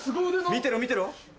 見てろ見てろ。